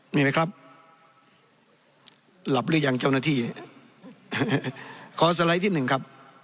มีไหมครับหลับหรือยังเจ้าหน้าที่ขอสไลด์ที่หนึ่งครับ